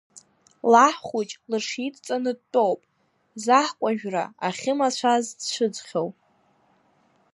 Лаҳ хәыҷ лыҽидҵаны дтәоуп, заҳкәажәра ахьы мацәаз зцәыӡхьоу.